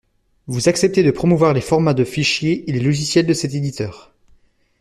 Vous acceptez de promouvoir les formats de fichiers et les logiciels de cet éditeur.